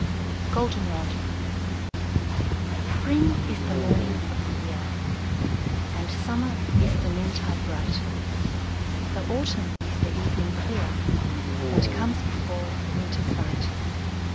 GOLDENROD. Spring is the morning of the year, And Summer is the noontide bright; The Autumn is the evening clear That comes before the Winter's night.